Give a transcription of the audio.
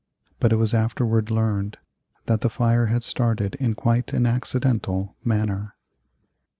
But it was afterward learned that the fire had started in quite an accidental manner.